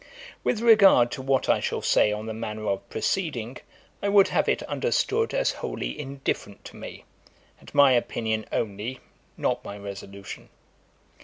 'With regard to what I shall say on the manner of proceeding, I would have it understood as wholly indifferent to me, and my opinion only, not my resolution.